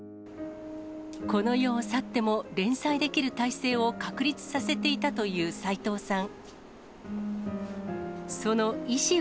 この世を去っても連載できる体制を確立させていたというさいとうさん。